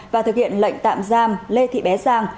và thực hiện lệnh tạm giam lê thị bé sang